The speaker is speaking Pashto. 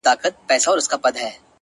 • موږكانو ته ډبري كله سوال دئ,